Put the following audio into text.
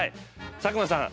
佐久間さん